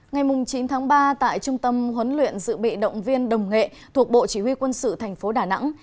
ngày chín tháng ba tại trung tâm huấn luyện dự bị động viên đồng nghệ thuộc bộ chỉ huy quân sự thành phố đà nẵng